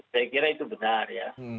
saya kira itu benar ya